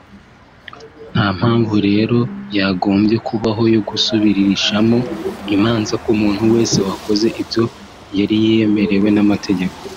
nta mpamvu rero yagombye kubaho yo gusubirishamo imanza ku muntu wese wakoze ibyo yari yemerewe n’amategeko